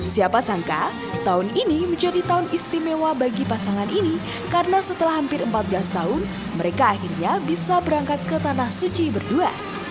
siapa sangka tahun ini menjadi tahun istimewa bagi pasangan ini karena setelah hampir empat belas tahun mereka akhirnya bisa berangkat ke tanah suci berdua